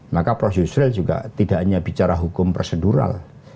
maka prof yusril juga tidak hanya bicara hukum prosedural